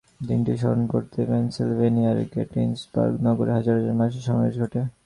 দিনটি স্মরণ করতে পেনসেলভেনিয়ার গেটিসবার্গ নগরে হাজার হাজার মানুষের সমাবেশ ঘটে।